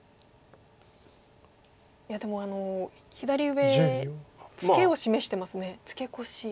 いやでも左上ツケを示してますねツケコシ。